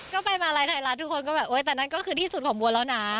ก็ไปมาลัยไทยรัฐทุกคนก็แบบโอ๊ยแต่นั่นก็คือที่สุดของบัวแล้วนะ